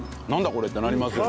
これ！ってなりますよ。